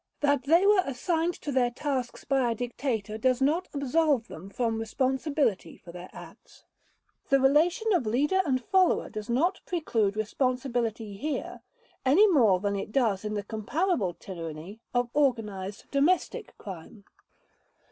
That they were assigned to their tasks by a dictator does not absolve them from responsibility for their acts. The relation of leader and follower does not preclude responsibility here any more than it does in the comparable tyranny of organized domestic crime.